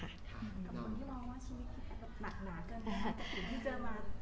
กับคนที่มองว่าชีวิตแพทย์หนักหนาเกิน